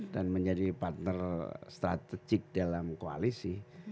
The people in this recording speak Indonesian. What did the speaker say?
dan menjadi partner strategik dalam koalisi